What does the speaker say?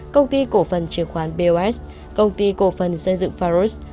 công ty cổ phần chứng khoán bos công ty cổ phần xây dựng pharos